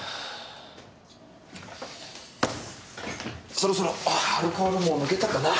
そろそろアルコールも抜けたかな。